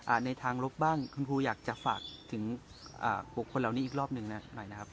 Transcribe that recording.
ในทางลบบ้างคุณครูอยากจะฝากถึงบุคคลเหล่านี้อีกรอบหนึ่งนะหน่อยนะครับ